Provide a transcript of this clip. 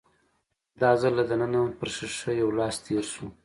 دا ځل له دننه پر ښيښه يو لاس تېر شو.